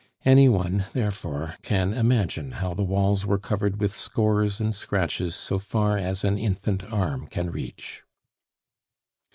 Any one, therefore, can imagine how the walls were covered with scores and scratches so far as an infant arm can reach.